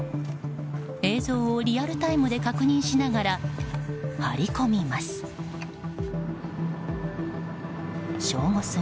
映像をリアルタイムで確認しながら、張り込みます。